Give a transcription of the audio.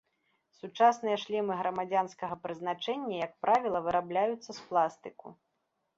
Сучасныя шлемы грамадзянскага прызначэння, як правіла, вырабляюцца з пластыку.